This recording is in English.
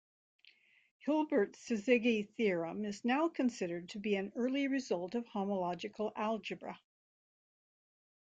Hilbert's syzygy theorem is now considered to be an early result of homological algebra.